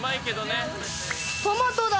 トマトだ。